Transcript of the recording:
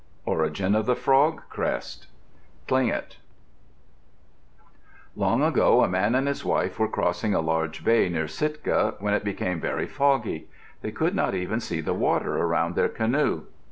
ORIGIN OF THE FROG CREST Tlingit Long ago, a man and his wife were crossing a large bay near Sitka when it became very foggy. They could not even see the water around their canoe.